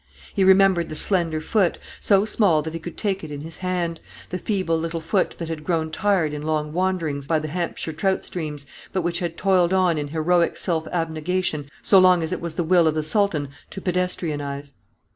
He remembered the slender foot, so small that he could take it in his hand; the feeble little foot that had grown tired in long wanderings by the Hampshire trout streams, but which had toiled on in heroic self abnegation so long as it was the will of the sultan to pedestrianise.